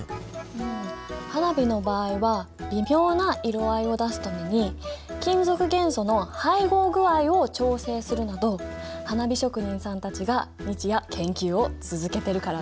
うん花火の場合は微妙な色合いを出すために金属元素の配合具合を調整するなど花火職人さんたちが日夜研究を続けてるからね。